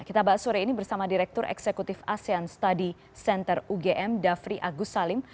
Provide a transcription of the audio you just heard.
kita bahas sore ini bersama direktur eksekutif asean study center ugm dhafri agus salim